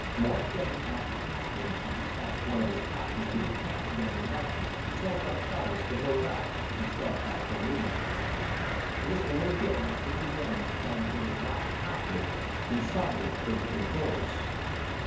Mark Denning asked the captain to dispatch one of his 'copters to the camp beyond the mountains to tell Gonzales to load up and start back for Lima. This order given, the two Dennings climbed into the rocket 'copter, and Saunders took the controls.